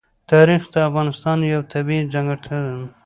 تاریخ د افغانستان یوه طبیعي ځانګړتیا ده.